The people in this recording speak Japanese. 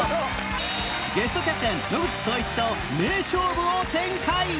ゲストキャプテン野口聡一と名勝負を展開